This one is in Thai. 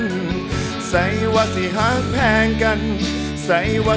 สิบสี่ห้างหรือเศร้าสี่ห้างสี่จับมือกันอย่างว่าสันวา